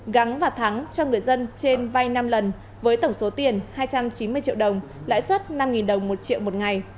gắng và thắng cho người dân trên vai năm lần với tổng số tiền hai trăm chín mươi triệu đồng lãi suất năm đồng một triệu một ngày